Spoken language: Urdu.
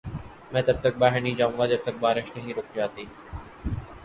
میں تب تک باہر نہیں جائو گا جب تک بارش نہیں رک جاتی۔